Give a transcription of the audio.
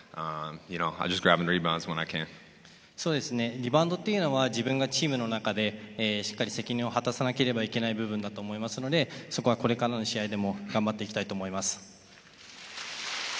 リバウンドというのは自分がチームの中でしっかり責任を果たさなければいけない部分だと思いますので、そこはこれからの試合でも頑張っていきたいと思います。